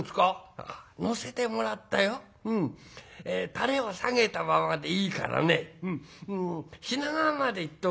垂れを下げたままでいいからね品川まで行って」。